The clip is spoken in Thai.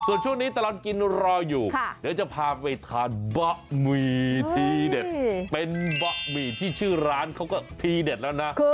ส่วนช่วงนี้ตลอดกินรออยู่เดี๋ยวจะพาไปทานบะหมี่ทีเด็ดเป็นบะหมี่ที่ชื่อร้านเขาก็ทีเด็ดแล้วนะ